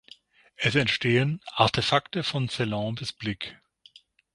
Es entstehen „Artefakte von Celan bis Blick“.